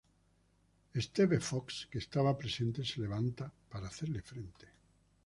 Steve Fox que estaba presente, se levanta para hacerle frente.